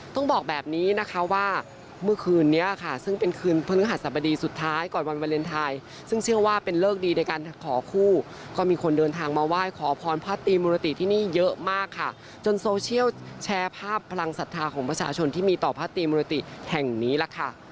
ต้องบอกแบบนี้นะคะว่าเมื่อคืนนี้ค่ะซึ่งเป็นคืนพฤหัสบดีสุดท้ายก่อนวันวาเลนไทยซึ่งเชื่อว่าเป็นเลิกดีในการขอคู่ก็มีคนเดินทางมาไหว้ขอพรพระตีมุรติที่นี่เยอะมากค่ะจนโซเชียลแชร์ภาพพลังศรัทธาของประชาชนที่มีต่อพระตีมุรติแห่งนี้ล่ะค่ะ